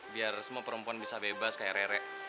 biar semua perempuan bisa bebas kayak rerek